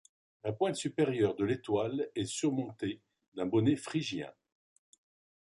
La pointe supérieure de l'étoile est surmontée d'un bonnet phrygien.